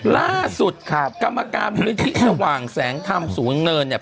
ล่าสุดกรรมการบริทิตว่างแสงพรางสูงเนินเนี่ย